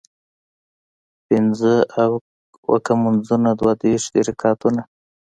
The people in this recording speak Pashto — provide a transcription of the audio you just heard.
پينځۀ اوکه مونځونه دوه دېرش دي رکعتونه